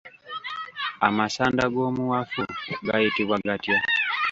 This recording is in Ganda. Amasanda g’omuwafu gayitibwa gatya